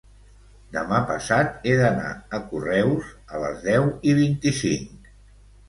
Demà passat he d'anar a Correus a les deu i vint-i-cinc.